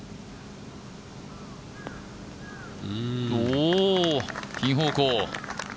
おお、ピン方向。